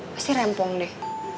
pasti rempong deh